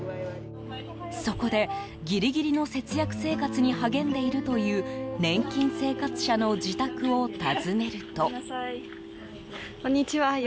そこで、ギリギリの節約生活に励んでいるという年金生活者の自宅を訪ねると。